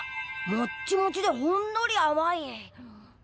もっちもちでほんのりあまい。